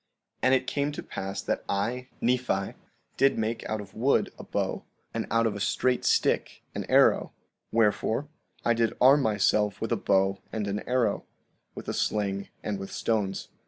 16:23 And it came to pass that I, Nephi, did make out of wood a bow, and out of a straight stick, an arrow; wherefore, I did arm myself with a bow and an arrow, with a sling and with stones.